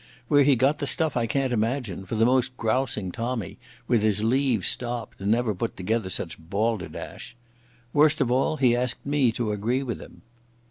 Where he got the stuff I can't imagine, for the most grousing Tommy, with his leave stopped, never put together such balderdash. Worst of all he asked me to agree with him.